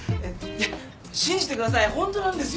いや信じてくださいホントなんですよ。